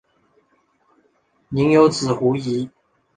宁有子胡虔。